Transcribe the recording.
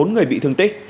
bốn người bị thương tích